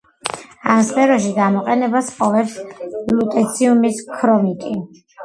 ამ სფეროში გამოყენებას ჰპოვებს ლუტეციუმის ქრომიტი.